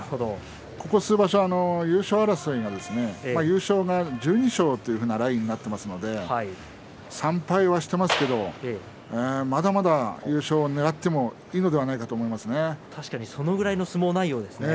ここ数場所、優勝争いがですね優勝が１２勝のラインになっていますので３敗はしていますけれどもまだまだ優勝をねらっても確かにそのぐらいの相撲内容ですね。